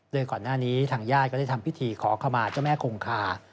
โดยก่อนหน้านี้ทางญาติก็ได้ทำพิธีขอขมาเจ้าแม่คงคา